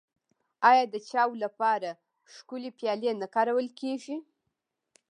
آیا د چای لپاره ښکلې پیالې نه کارول کیږي؟